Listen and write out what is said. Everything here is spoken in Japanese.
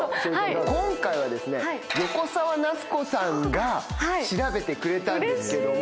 今回はですね横澤夏子さんが調べてくれたんですけども。